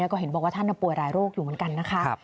แล้วก็เห็นบอกว่าท่านป่วยหลายโรคอยู่เหมือนกันนะคะ